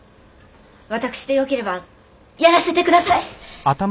私でよければやらせて下さい！